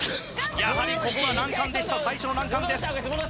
やはりここは難関でした最初の難関です